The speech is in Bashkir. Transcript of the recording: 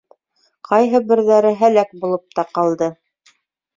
Ҡайһы берҙәре һәләк булып та ҡалды.